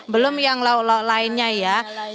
belum yang lauk lauk lainnya ya